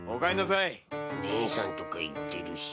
姐さんとか言ってるし。